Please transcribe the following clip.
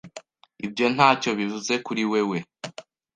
Ibyo ntacyo bivuze kuri wewe?